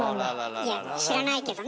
いや知らないけどね